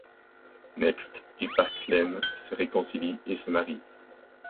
Next et Parke-Laine se réconcilient et se marient.